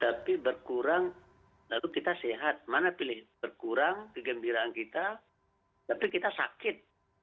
tapi berkurang lalu kita sehat mana pilih berkurang kegembiraan kita tapi kita sakit